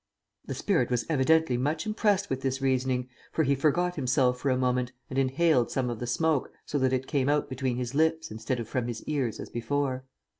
The spirit was evidently much impressed with this reasoning, for he forgot himself for a moment, and inhaled some of the smoke, so that it came out between his lips instead of from his ears as before.